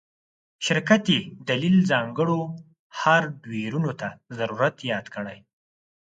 شرکت یی دلیل ځانګړو هارډویرونو ته ضرورت یاد کړی